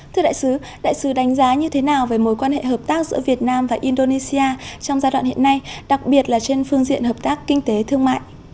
thưa đại sứ đại sứ đánh giá như thế nào về mối quan hệ hợp tác giữa việt nam và indonesia trong giai đoạn hiện nay đặc biệt là trên phương diện hợp tác kinh tế thương mại